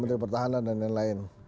menteri pertahanan dan lain lain